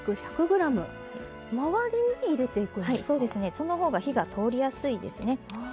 その方が火が通りやすいですね。